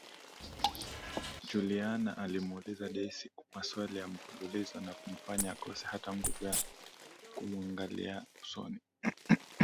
Juliana alimuuliza Daisy maswali ya mfululizo na kumfanya akose hata nguvu za kumuangalia usoni